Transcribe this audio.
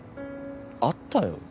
あったよ